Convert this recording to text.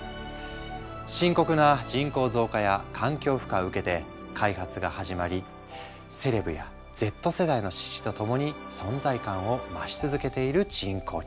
深刻な人口増加や環境負荷を受けて開発が始まりセレブやＺ世代の支持と共に存在感を増し続けている人工肉。